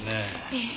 ええ。